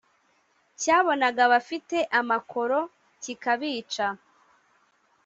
Cyabonaga abafite amakoro kikabica